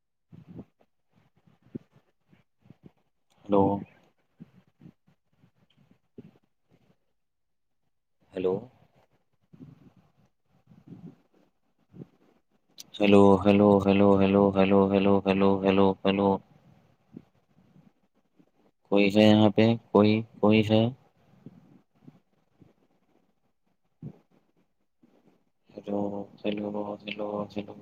[unintelligible] Hello hello hello hello hello hello hello hello hello hello hello کوئیس یہاں پہ کوئی کوئیس تو چ لو لوگ چ لوگ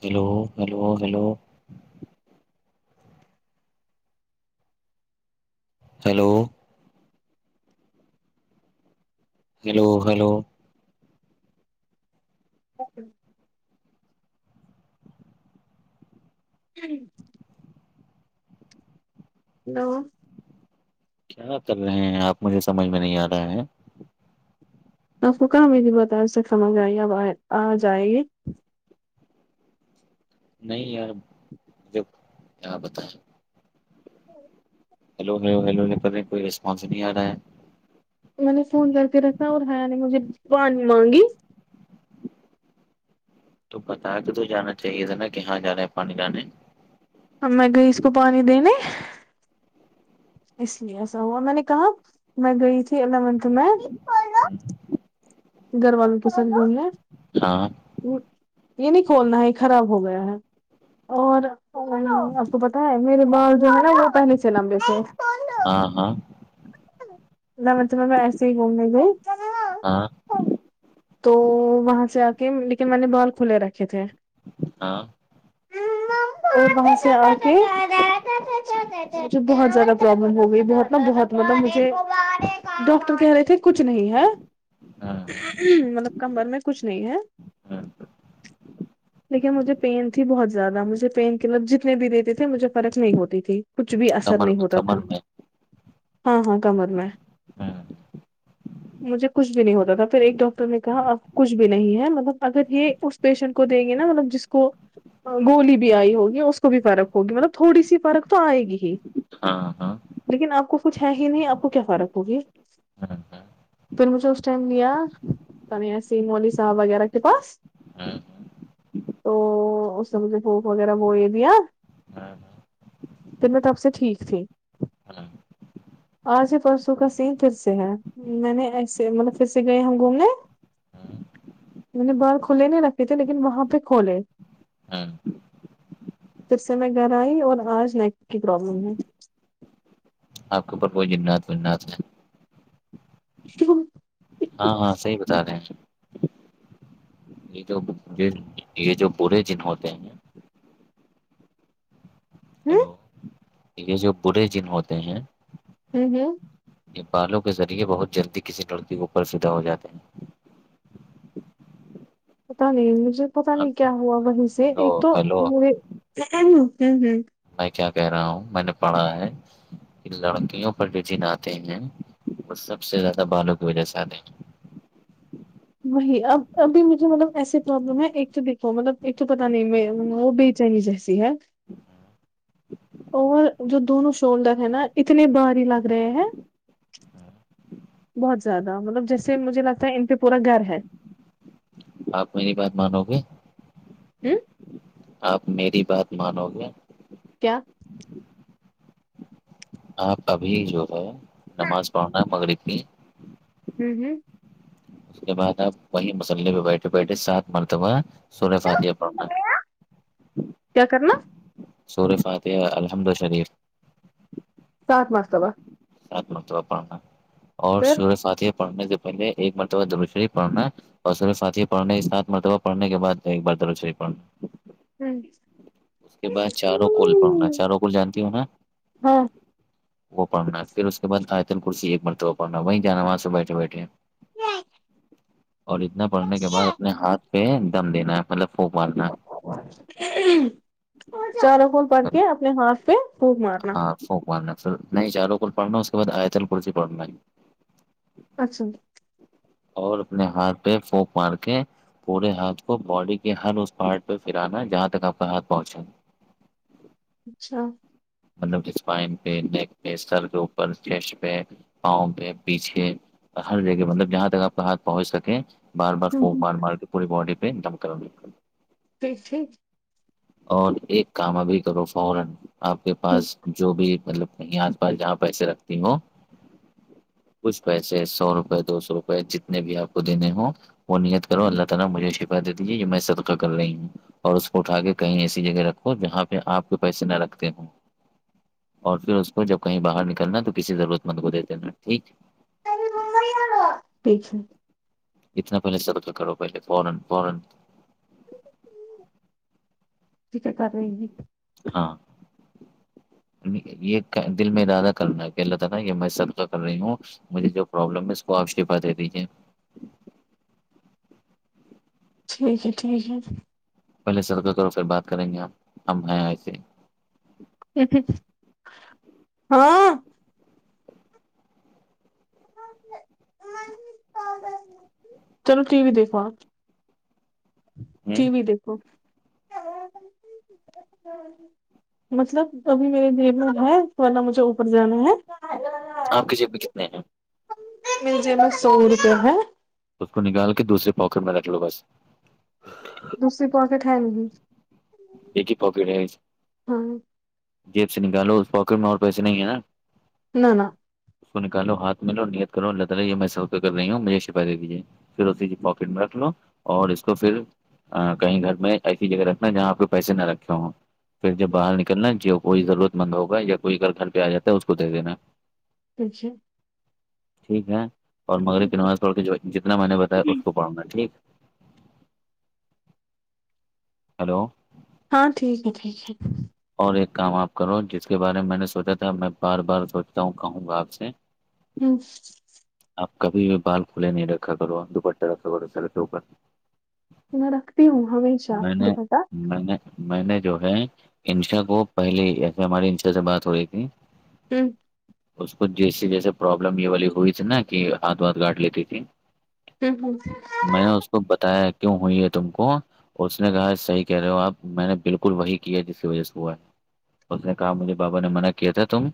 hello hello hello hello hello hello okay جی ہلو کیا کر رہے ہیں آپ مجھے سمجھ میں نہیں آ رہے ہیں آپ کو کہاں میری بت آ سے سمجھ آئی اب آ جائے گی نہیں یار جاں بت ہ ہیلو ہیلو ہیلو یہ کر رہے ہیں کوئی رسپانس نہیں آ رہا ہے میں نے فون کر کے رکھا اور ہایا نے مجھے پانی مانگی تو پتا کہ تو جانا چاہیے تھا نا کہاں جانا ہے پانی جانے ہے میں گئی اس کو پانی دینے اس لیے ایسا ہوا میں نے کہا میں گئی تھی الیونتھ میں ہوں گھر والوں کے سر بولے ہیں ہاں یہ نہیں کھولنا ہے یہ خراب ہو گیا ہے اور آپ کو پتا ہے میرے بال جو ہے نا وہ پہلے سے لمبے سے ہاں ہاں مطلب میں ایسے ہی گھومنے گوں ہاں تو وہاں سے آ کے لیکن میں نے بال کھلے رکھے تھے ہاں وہ سے اور مجھے بہت زیادہ پرابلم ہو گئی بہت نا بہت مطلب مجھے ڈاکٹر کہہ رہے تھے کچھ نہیں ہے مطلب کمبر میں کچھ نہیں ہے ہاں [unintelligible] لیکن مجھے پین تھی بہت زیادہ مجھے پین کےلب جتنے بھی دیتے تھے مجھے فرق نہیں ہوتی تھی کچھ بھی اثر کمر نہیں میں ہوتا تھا کمر میں ہاں ہاں کمر میں ہاں مجھے کچھ بھی نہیں ہوتا تھا پھر ایک ڈاکٹر نے کہا اب کچھ بھی نہیں ہے مطلب اگر یہ اس پیشنٹ کو دیں گے نا مطلب جس کو گولی بھی آئی ہوگی اس کو بھی فرق ہوگی مطلب تھوڑی سی فرق تو آئے گی ہی ہاں ہاں لیکن آپ کو کچھ ہے ہی نہیں آپ کو کیا فرق ہوگی؟ ہاں پھر مجھے اس ٹائم لیا پنیا سین واللی صاحب وغیرہ کے پاس ہاں تو اس سے مجھے بھوک وغیرہ وہ یہ دیا ہاں پھر میں تب سے ٹھیک تھی ہاں آج ہی پرسوں کا سین پھر سے ہے میں نے ایسے مطلب پھر سے گئے ہ گھومنے میں نے باہر کھلے نہیں رکھے تھے لیکن وہاں پہ کھولے ہاں پھر سے میں گھر آئی اور آج نیک کی پرابلم ہے آپ کے اوپر کوئی جنات ونات ہے ش ہاں ہاں صحیح بتا رہے ہیں یہ جو یہ یہ جو بورے جن ہوتے ہیں ہ ہلو یہ جو برے جن ہوتے ہیں ہوں ہوں یہ بالوں کے ذریعے بہت جلدی کسی لڑکی کے اوپر فدا ہو جاتے ہیں پتا نہیں مجھے پتا ہیں نہیں کیا ہوا وہیں سے ہلو ایک تو ہلو م ہ ہ میں کیا کہہ رہا ہوں میں نے پڑھا ہے لڑکیوں پر جو جن آتے ہیں وہ سب سے زیادہ بالوں کی وجہ سے آتے ہیں وہی اب ابھی مجھے مطلب ایس پرابلم ہے ایک تو دیکھو مطلب ایک تو پتا نہیں میں وہ چنی جیسیحت ہاں اور جو دونوں شولڈر ہیں نا اتنے باری لگ رہے ہیں بہت زیادہ مطلب جیسے مجھے لگتا ہے ان پہ پورا گھر ہے آپ میری بات مانو گے ہ [inaudible] آپ میری بات مانو گے کیا آپ ابھی جو ہے نماز پڑھنا ہے مغرب کی ہوں ہوں اس کے بعد آپ وہی مسلے پہ بیٹھے بیٹھے سات مرتبہ سور فات پڑھنا کیا کرنا سور فاتح الحمد ال شریف سات مس ت با مرتبہ پڑھنا اور پھر شور فاتح پڑھنے سے پہلے ایک مرتبہب شریف پڑھنا اور صرف سات ہی پڑھنے کے سھ ملب اور پڑنے کے بد ایک بار درڑ ہوں اس کے بعد چاروں کوول پرنا چاروں کول جانتی ہ ہووں نا ہاں وہ پڑنا پھر اس کے بع آتل کرسی ایک مرتبہ پڑھنا وہ جانا وہاں سے بیٹھے بیٹھے اور اتنا پڑھنے کے بعد اپنے ہاتھ پہ دم دینا ہے مطلب پھوک مارنا ہے چاروں کوول پڑ کے اپنے ہاتھ پہ بھوک مار ف پ نہیں چارو کل پڑھنا اس کے بعد آیتل کسی پڑھنا اچھا اور اپنے ہاتھ پہ پوک مار کے پورے ہاتھ کو باڈی کے ہر اس پارٹ پہ پرانا جہاں تک آپ کا ہاتھ پہنچیں گ اچھا مطلب اسپائن پہ نیک پہ سر کے اوپر چیسٹ پہ پاؤں پہ پیچھے ہر جگہ مطلب جہاں تک آپ کا ہاتھ پہنچ سکے بار بار بار مار کے پوری بڈی پین ٹ سےھ اور ایک کام ابھی کرو فورا اپ کے پاس جو بھی مطلب کہیں آس پاس جہاں پیسے رکھتی ہووں کچھ پیسے سو روپئے دو سو روپئے جتنے بھی آپ کو دینے ہ وہ نیت کرو اللہ تعالی مجھے اس کے بعد دے دیجیے یہ میں صدقہ کر رہی ہوں اور اس کو اٹھا کے کہیں ایسی جگہ رکھو جہاں پہ آپ کے پیسے نہ رکھتے ہوں اور پھر اس کو جب کہیں باہر نکلنا تو کسی ضرورت مند کو دے دینا ٹھیک ٹھ [unintelligible] اتنا پہلے سےب کرو پہلے فورن فورن ٹ کیا کر رہی ہیں [unintelligible] ہاں یہ دل میں ارادہ کرنا ہے کہ اللہ تعالی یہ میں سب کا کر رہی ہوں مجھے جو پروابلم ہے اس کو آپ شیفا دے دیجیے ٹھیک ہے ٹھیک ہے پہلے سرکہ کرو پھر بات کریں گے آپ ہم آئ ایسے ہاں چلو ٹی وی دیکھو آ ٹی وی دیکھو [unintelligible] ہاں ہ [unintelligible] مطلب ابھی میرے دل میں ہے تو اللہ مجھے اوپر جانا ہے آپ کی جیب میں کتنے ہیں مل جائے گا سو روپے ہے اس کو نکال کے دوسرے پوکٹ میں رکھ لو بس دوسری پوائفٹ ہے لگی ایک ہی پاکٹ ہے ہاں جیب سے نکالو اس پاکٹ میں اور پیسے نہیں ہے نا نہ نہ اس کو نکالو ہاتھ ملو نیت کرو اللا تالا یہ م میں سو کے کر رہی ہوں مجے شفا دے دیجیے پھر اسی پواکٹ میں رکھ لو اور اس کو پھر کہیں گھر میں ایسی جگہ رکھنا جہاں آ پیسے نہ رکھے ہوں پھر جب باہر نکلنا ج کوئی ضرورت بند ہوگا یا کوئی اگر گھر پہ آ جاتا ہے اس کو دے دینا اچھے ٹھیک ہے اور مغریب کی نماز پڑ کے جتنا میں نے بتایا اس کو پڑھوں گا ٹھیک ہیلو ہاں ٹھیک ہے ٹھیک ہے اور ایک کام آپ کرو جس کے بارے میں نے سوچا تھا میں بار بار سوچتا ہوں کہوں گا آپ سے [inaudible] ہوں آپ کبھی بھی بال کھلے نہیں رکھا کرو دوپٹہ رکھا کرو سر سے اوپر میں رکھتی ہوں ہمیشہ میں نے میں نے میں نے جو ہے انشا کو پہلیے ایسے ہماری انشا سے بات ہو تھی ہی [unintelligible] اس کو جیس جیسے پرابلم یہ والی ہوئی تھی نا کہ ہاتھ واتھ گاٹ لیتی تھی ہ میں نا اس بتایا کیوں ہوئی ہے تم کو اس نے کہا صحی کہہ رہے ہو آپ میں نے بالکل وہی کیا جس وجہ سے ہوا ہے اس نے کہا مجھے بابا نے منع کیا تھا تم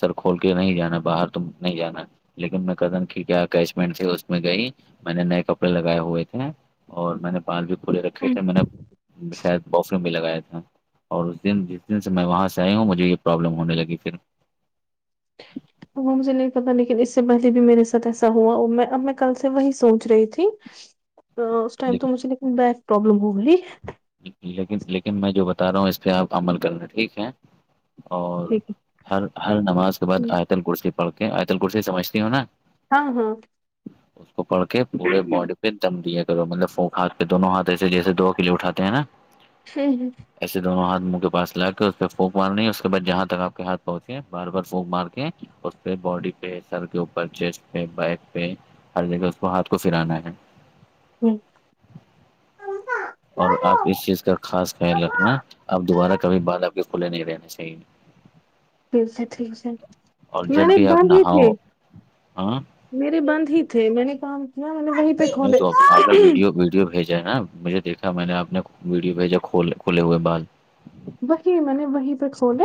سر کھول کے نہیں جانا باہر تو نہیں جانا لیکن میں کدن کی کیا اکچمنٹ ت اس میں گئی میں نے نئے کپڑے لگائے ہوئے تھے اور میں نے بال بھی کھلے رکھے تھے میں نے شاید باف روم بھی لگایا تھا اور اس دن جس دن سے میں وہاں سے آئی ہوں مجھے یہ پرابلم ہونے لگی پھر [inaudible] وہاں مجھے نہیں پتا لیکن اس سے پہلے بھی میرے سھ ایسا ہوا میں اب میں کل سے وہی سوچ رہی تھی [inaudible] اس ٹائم تو مجھے لیکن بیک پروابلم ہو گئی لیکن لیکن میں جو بتا رہا ہوں اس پہ آپ عمل کر رہے ہیں ٹھیک ہے اور لیکن ہر ہر نماز کے بعد آتل کرسی پڑھ کے آتل کرسی سمجھتی ہوں نا ہاں ہاں اس کو پڑ کے پورے باڈی دم دیا کرو مطلب ف ہاتھ پہ دونوں ہاتھ ایے جیسے دو کلے اٹھاتے ہیں نا ہوں ہ ایسے دونوں ہاتھ منہ کے پاس لا کے اس پہ پھونک مارنی اس کے بعد جہاں تک آپ کے ہاتھ پہنچے بار بار پھونک مار کے اس پہ باڈی پہ سر کے اوپر چیسٹ پہ بیک پہ ہر جگہ اس کو ہاتھ کو پھرانا ہے ہ [unintelligible] اور آپ اس چیز کا خاص خیال رکھنا آپ دوبارہ کبھی بعال آپ کے کھلے نہیں رہنے چاہیے [inaudible] ٹھیک سے ٹھیک سے اور جب میں بھی آپ باند تھ نہاؤ ہاں میرے بند ہی تھے میں نے کام کیا میں نے وہیں پہ کھوول نہیں تو آپ نے ویڈیو ویڈیو بھیجا ہے نا مجھے دیکھا میں نے آپ نے ویڈیو بھیجا کھول کھولے ہوئے بعد وہی میں نے وہیں پہ کھولے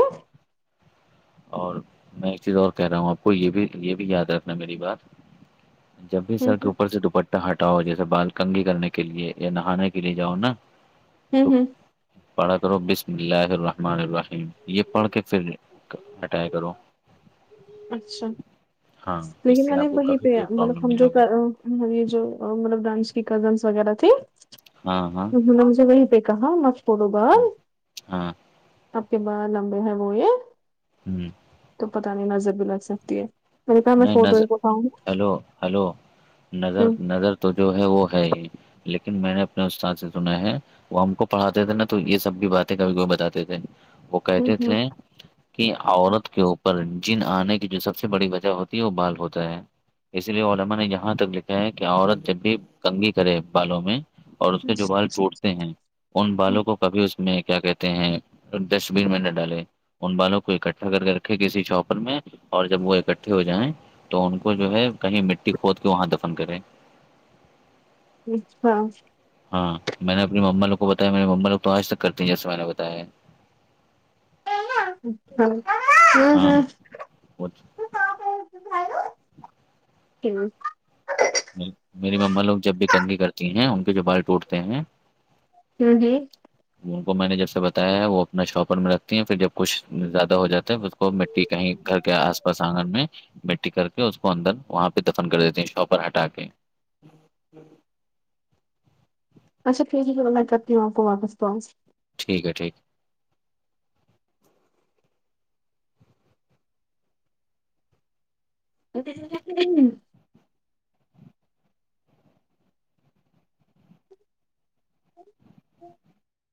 اور میں ایک چیز اور کہہ رہا ہوں آپ کو یہ بھی یہ بھی یاد رکھنا ہے میری بات جب بھی ہوں سر کے ہوں اوپر سے دوپٹہ ہٹاؤ جیسے بال کنگھی کرنے کے لیے یا نہانے کے لیے جاؤ نا ہوں ہوں پڑا کرو بسم اللہ الرحمن الرحیم یہ پڑھ کے فر ہٹیں کروں اچھا اس لیکن سے میں نے آپ کو وہیں کبھی پہ کوئی مطلب پرابلم ہم نہیں جو ہوگی ہاں یہ جو مطلب ڈانس کی کزنس وغیرہ تھی ہاں ہاں [unintelligible] ہاں آپ کے بھال لمبر ہیں وہ یہ ہوں تو پتہ نہیں نظر بھی لگ سکتی ہے میں نے کہا میں نہیں فوٹو نظر ایک اٹھاؤں ہلو ہلو نظر گی نظر تو جو ہے وہ ہے ہی لیکن میں نے اپنے استاد سے سنا ہے وہ ہم کو پڑھاتے تھے نا تو یہ سب بھی باتیں کبھی کب بتاتے تھے وہ کہتے تھے اچھا کہ عورت کے اوپر جن آنے کی جو سب سے بڑی وجہ ہوتی تیو بال ہوتا ہے اسی لیے علما نے یہاں تک لکھا ہے کہ عورت جب بھی کنگی کرے بالوں میں اور اس کے جو بال ٹوٹتے ہیں ان بالوں کو کبھی اس میں کیا کہتے ہیں ڈسٹ بین میں نہ ڈالے ان بالوں کو اکٹھا کر کے رکھے کسی چاپر میں اور جب وہ اکٹھا ہو جائیں تو ان کو جو ہے کہیں مٹی کھود کے وہاں دفن کریں اچ ہاں ہاں میں نے اپنی مم لوگ کو بتایا میرے مما لو تو آج تک کرتی ہیں جیسے میں نے بتایا ہے اچھا ہاں ہ ہوں کی میری مما لوگ جب بھی کنگھی کرتی ہیں ان کے جو بال ٹوٹتے ہیں جوں جی ان کو میں نے جب سے بتایا ہے وہ اپنا شاپر میں رکھتی ہیں پھر جب کچھ زیادہ ہو جاتا ہے تو اس کو م ت کہیں گھر کے آس پاس آنگن میں مٹی کر کے اس کو اندر وہاں پہ دفن کر دیتے ہیں شاپ پر ہٹا کے اچھا ٹیک ہے چ میں کرتی ہوں آپ کو واپس توؤس ٹھیک ہے ٹھیک ہے ا ہوں